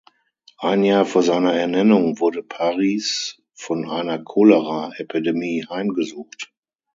Ein Jahr vor seiner Ernennung wurde Paris von einer Cholera-Epidemie heimgesucht.